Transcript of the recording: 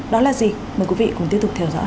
đó là gì mời quý vị cùng tiếp tục theo dõi